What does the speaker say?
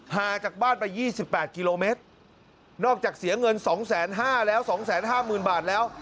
จากบ้านไป๒๘กิโลเมตรนอกจากเสียเงิน๒๕๐๐แล้ว๒๕๐๐๐บาทแล้ว